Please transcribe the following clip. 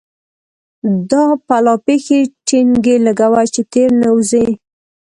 دا پلا پښې ټينګې لګوه چې تېر نه وزې.